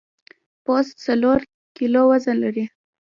پوست څلور کیلو وزن لري.